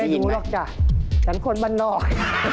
ไม่ได้ดูหรอกจ้ะฉันคนบ้านนอก